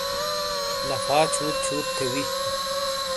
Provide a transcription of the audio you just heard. لَفا چھُوت چھُوت تھے وِی۔